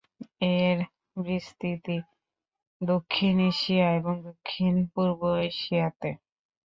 এর বিস্তৃতি দক্ষিণ এশিয়া এবং দক্ষিণ পূর্ব এশিয়াতে।